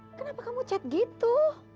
kenapa kamu cat gitu